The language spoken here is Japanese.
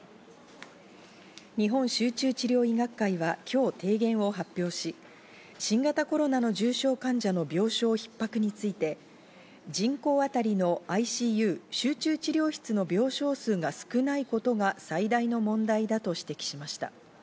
日本集中治療医学会は今日、提言を発表し、新型コロナの重症患者の病床逼迫について、人口当たりのＩＣＵ＝集中治療室の病床数が少ないことが最大の問題だと指摘しました。